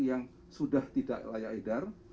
yang sudah tidak layak edar